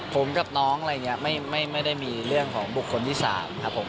ผมกับน้องอะไรอย่างนี้ไม่ได้มีเรื่องของบุคคลที่๓ครับผม